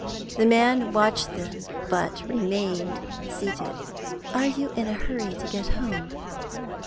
The man watched them, but remained seated. "Are you in a hurry to get home?"